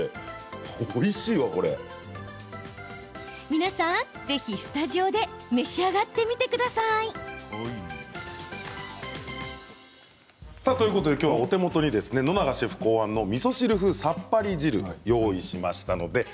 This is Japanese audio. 皆さん、ぜひスタジオで召し上がってみてください。ということでお手元に野永シェフ考案のみそ汁風さっぱり汁を用意しました。